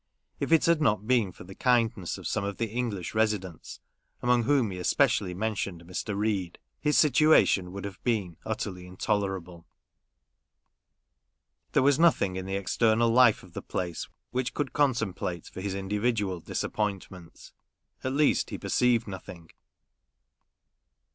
If it had not been for the kindness of some of the English residents, among whom he especially mentioned Mr. Reade, his situation would have been utterly intolerable. There was nothing in the external life of 320 HOUSEHOLD WORDS. [Conducted by the place which could compensate for his individual disappointment ; at least, he per ceived nothing.